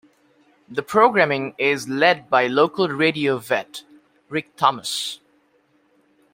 The programming is led by local radio vet Rick Thomas.